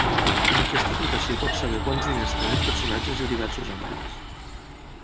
Amb aquesta aplicació pots saber quants diners tenen personatges de diversos àmbits.